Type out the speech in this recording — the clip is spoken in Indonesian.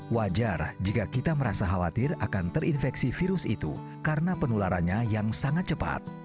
wajar jika kita merasa khawatir akan terinfeksi virus itu karena penularannya yang sangat cepat